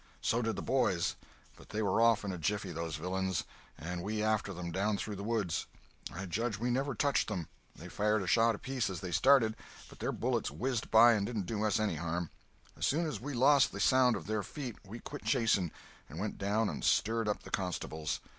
So did the boys. But they were off in a jiffy, those villains, and we after them, down through the woods. I judge we never touched them. They fired a shot apiece as they started, but their bullets whizzed by and didn't do us any harm. As soon as we lost the sound of their feet we quit chasing, and went down and stirred up the constables.